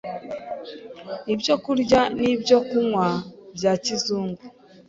ibyokurya n’ibyokunywa bya kizungu